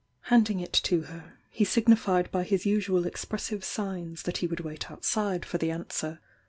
Handing it to her, he signified by his usual expressive signs that he would wait outside for the answer.